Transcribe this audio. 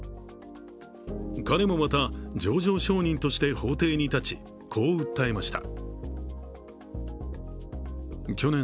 彼もまた情状証人として法廷に立ちこう訴えました。